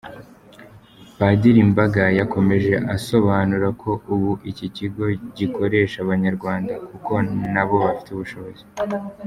Padiri Mbaga yakomeje asobanura ko ubu iki kigo gikoresha Abanyarwanda kuko nabo bafite ubushobozi.